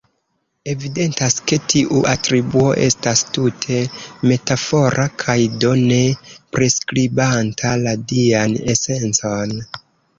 Evidentas ke tiu atribuo estas tute metafora kaj, do, ne priskribanta la dian esencon.